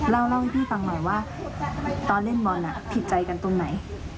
เล่าให้พี่ฟังหน่อยว่าตอนเล่นบอลผิดใจกันตรงไหน